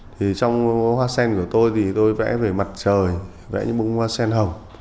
thì trong hoa sen của tôi thì tôi vẽ về mặt trời vẽ những bông hoa sen hồng